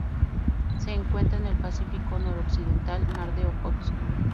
Se encuentra en el Pacífico noroccidental: Mar de Ojotsk.